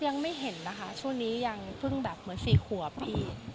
ยังไม่เห็นนะคะช่วงนี้ยังเพิ่งแบบเหมือน๔ขวบพี่